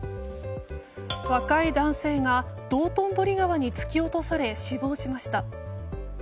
若い男性が道頓堀川に突き落とされ死亡しました。